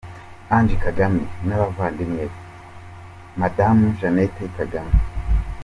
Ange Kagame n'abavandimwe be, Madamu Jeannette Kagame,.